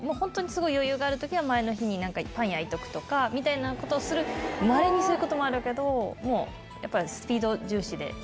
もう本当に余裕があるときは、前の日にパン焼いとくとかみたいな、まれにすることもあるけど、もう、やっぱりスピード重視で。